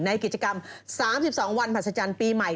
ในกิจกรรม๓๒วันผลัดสจันทร์ปีใหม่